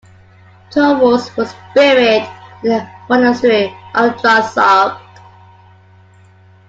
Toros was buried in the monastery of Drazark.